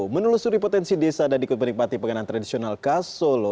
menelusuri potensi desa dan ikut menikmati penganan tradisional khas solo